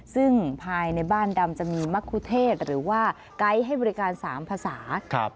ซึ่งภายในบ้านดำจะมีมะคุเทศหรือว่าไกด์ให้บริการ๓ภาษา